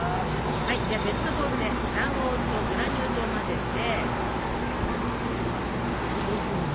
はいじゃあ別のボウルで卵黄とグラニュー糖を混ぜてチョコ牛乳